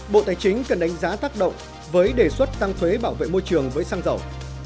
bộ tài chính cần đánh giá tác động với đề xuất tăng thuế bảo vệ môi trường với xăng dầu